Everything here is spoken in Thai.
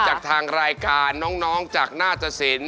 จากทางรายการน้องจากนาฏศิลป์